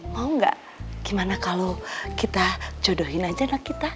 mau gak gimana kalau kita jodohin aja anak kita